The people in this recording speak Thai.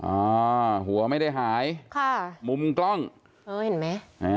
อ่าหัวไม่ได้หายค่ะมุมกล้องเออเห็นไหมอ่า